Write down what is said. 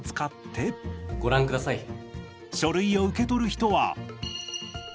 書類を受け取る人は。